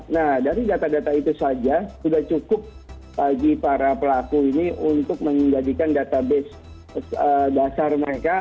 nah dari data data itu saja sudah cukup bagi para pelaku ini untuk menjadikan database dasar mereka